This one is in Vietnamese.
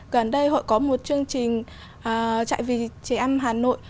gần đây hội có một chương trình trại vì trẻ em hà nội